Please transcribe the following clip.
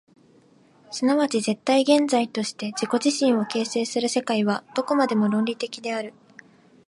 即ち絶対現在として自己自身を形成する世界は、どこまでも論理的である。